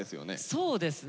そうですね。